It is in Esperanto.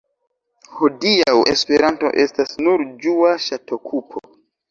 Hodiaŭ Esperanto estas nur ĝua ŝatokupo.